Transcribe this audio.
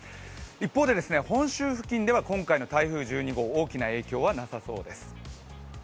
一方で、本州付近では今回の台風１２号、大きな影響はなさそうです。